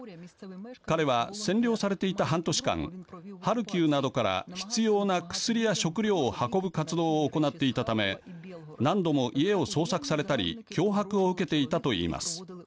彼は占領されていた半年間ハルキウなどから必要な薬や食料を運ぶ活動を行っていたため何度も家を捜索されたり脅迫を受けていたといいます。